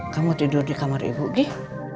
kamu tidur di kamar ibu deh